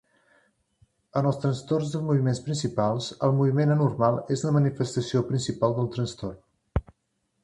En els trastorns dels moviments principals, el moviment anormal és la manifestació principal del trastorn.